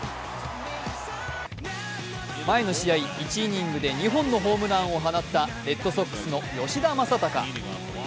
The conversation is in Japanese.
前の試合、１イニングで２本のホームランを放ったレッドソックスの吉田正尚。